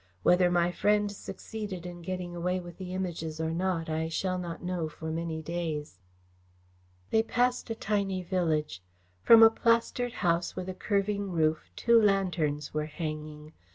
Whether my friend succeeded in getting away with the Images or not, I shall not know for many days." They passed a tiny village. From a plastered house with a curving roof, two lanterns were hanging.